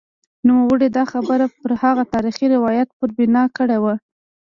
نوموړي دا خبره پر هغه تاریخي روایت پر بنا کړې وه.